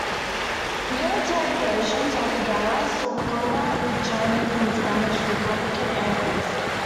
Military versions of the Gamma saw combat with Chinese and Spanish Republican air forces.